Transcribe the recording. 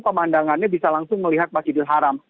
pemandangannya bisa langsung melihat masjidil haram